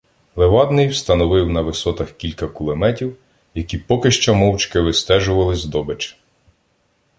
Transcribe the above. Левадний встановив на висотах кілька кулеметів, які поки що, мовчки вистежували здобич.